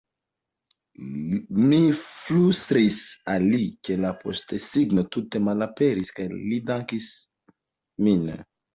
Mi flustris al li, ke la postsigno tute malaperis kaj li dankis min.